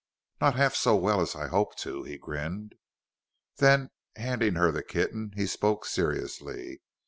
"Not half so well as I hope to," he grinned. Then, handing her the kitten, he spoke seriously.